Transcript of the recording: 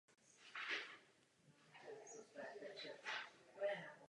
Další vzdělání získala na německé universitě v Lipsku.